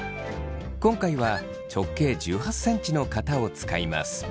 今回は直径１８ｃｍの型を使います。